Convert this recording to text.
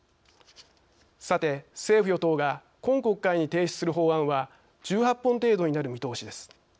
さて、政府・与党が今国会に提出する法案は１８本程度になる見通しです。